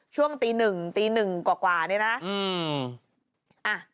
ช่วงตีหนึ่งตีหนึ่งกว่าเนี่ยนะ